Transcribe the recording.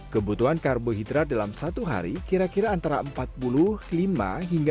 kebutuhan karbohidrat dalam satu hari kira kira antara empat puluh lima hingga dua puluh